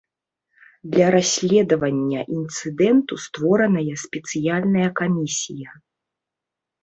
Для расследавання інцыдэнту створаная спецыяльная камісія.